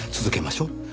続けましょう。